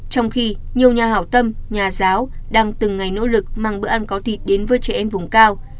trong khi nhiều nhà hảo tâm nhà giáo đang từng ngày nỗ lực mang bữa ăn có thịt đến với trẻ em vùng cao